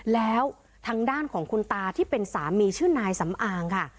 แล้วทางด้านของคุณตาที่เป็นสามีชื่อนายสำอางค่ะ